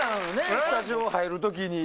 スタジオ入る時に。